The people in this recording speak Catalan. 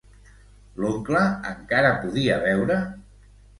L'oncle encara podia veure?